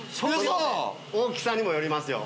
大きさにもよりますよ。